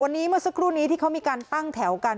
วันนี้เมื่อสักครู่นี้ที่เขามีการตั้งแถวกัน